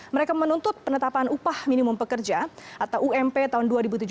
mereka menuntut penetapan upah minimum pekerja atau ump tahun dua ribu tujuh belas